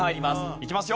いきますよ。